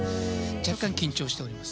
若干、緊張しております。